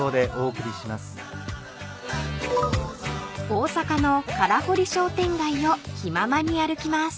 ［大阪の空堀商店街を気ままに歩きます］